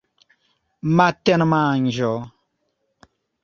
matenmanĝo